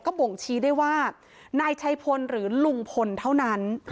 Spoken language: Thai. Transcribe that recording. บ่งชี้ได้ว่านายชัยพลหรือลุงพลเท่านั้น